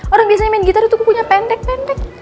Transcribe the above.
orang biasanya main gitar itu kukunya pendek pendek